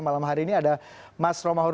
malam hari ini ada mas romahur muzi